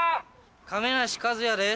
亀梨和也です。